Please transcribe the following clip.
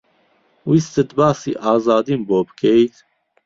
ویستت باسی ئازادیم بۆ بکەیت؟